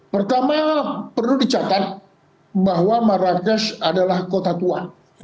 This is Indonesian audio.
pertama perlu dicatat bahwa marrakesh adalah kota tua